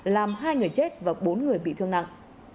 làm hai người chết và bốn người bị thương nặng